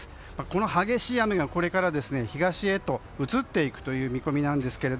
この激しい雨がこれから東へ移っていくという見込みですが。